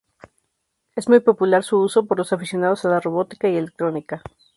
Es muy popular su uso por los aficionados a la robótica y electrónica.